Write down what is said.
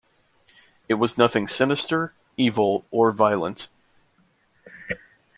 It was nothing sinister, evil or violent.